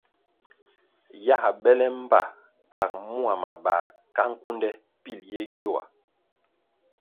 Yā bele mbpa kag mua mabar ka nkunde pil ye gyoa.